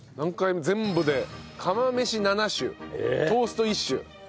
全部で釜飯７種トースト１種。